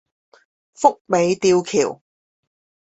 福美吊橋